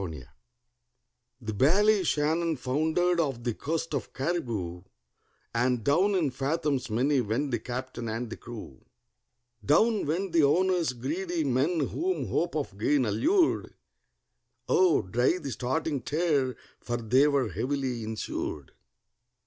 THE Ballyshannon foundered off the coast of Cariboo, And down in fathoms many went the captain and the crew; Down went the owners—greedy men whom hope of gain allured: Oh, dry the starting tear, for they were heavily insured.